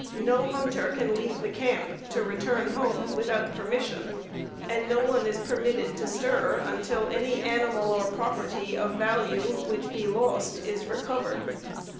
No hunter can leave the camp to return home without permission, and no one is permitted to stir until any animal or property of value supposed to be lost is recovered.